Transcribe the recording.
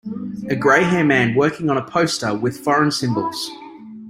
A gray hair man working on a poster with foreign symbols.